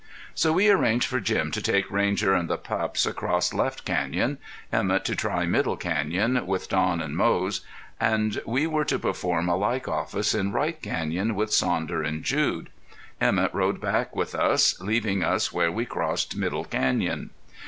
So we arranged for Jim to take Ranger and the pups across Left Canyon; Emett to try Middle Canyon, with Don and Moze, and we were to perform a like office in Right Canyon with Sounder and Jude. Emett rode back with us, leaving us where we crossed Middle Canyon.